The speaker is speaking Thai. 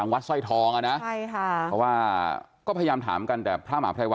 ไม่ใช่เพราะผมคนเดียว